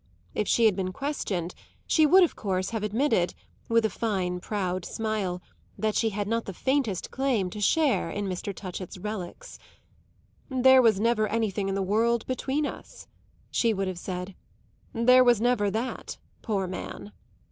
If she had been questioned, she would of course have admitted with a fine proud smile that she had not the faintest claim to a share in Mr. Touchett's relics. "There was never anything in the world between us," she would have said. "There was never that, poor man!"